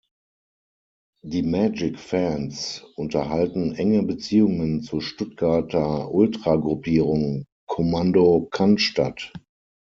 Die "Magic Fans" unterhalten enge Beziehungen zur Stuttgarter Ultragruppierung "Commando Cannstatt".